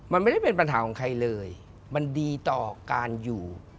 มันดีต่อการอยู่